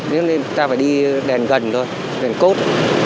nên ta phải đi đèn gần thôi đèn cốt